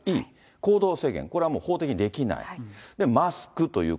行動制限、これはもう法的にできない。